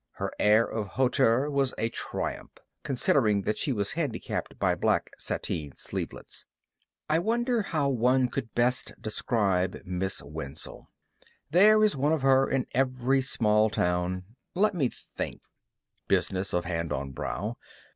Her air of hauteur was a triumph, considering that she was handicapped by black sateen sleevelets. I wonder how one could best describe Miss Wenzel? There is one of her in every small town. Let me think (business of hand on brow).